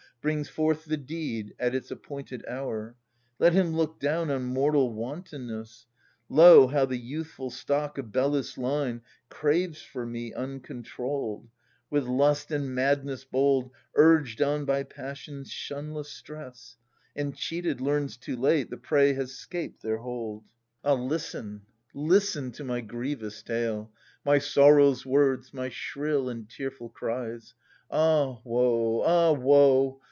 Brings forth the deed, at its appointed hour ! TiCt him look down on mortal wantonness ! Lo ! how the youthful stock of Belus' line Craves for me,, uncontrolled — With mst and madness bold — Urged on by passion's shunless stress — And, cheated, learns too late the prey has 'scaped their hold! THE SUPPLIANT MAIDENS. Ah, listen, listen to my grievous tale, I ^K> My sorrow's words, my shrill and tearful cries ! Ah woe, ah woe